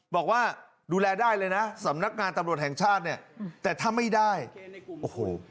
บอกว่าดูแลได้เลยนะสำนักงานตำรวจแห่งชาติเนี่ยแต่ถ้าไม่ได้โอ้โห